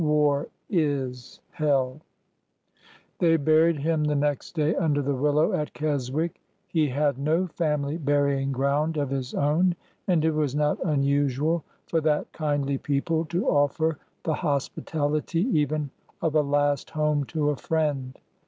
War is hell ! They buried him the next day under the willow at Kes wick. He had no family burying ground of his own, and it was not unusual for that kindly people to offer the hos pitality even of a last home to a friend.